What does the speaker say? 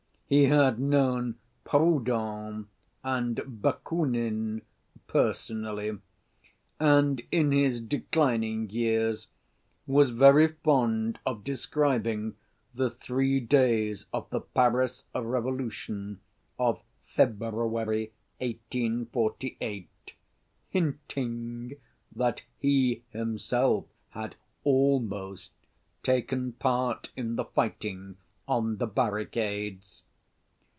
He had known Proudhon and Bakunin personally, and in his declining years was very fond of describing the three days of the Paris Revolution of February 1848, hinting that he himself had almost taken part in the fighting on the barricades.